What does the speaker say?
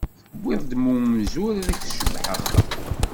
Tewwiḍ-d mm umzur, ad ak-tcebbeḥ axxam.